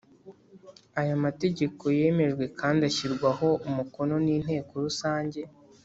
Aya mategeko yemejwe kandi ashyirwaho umukono n’inteko rusange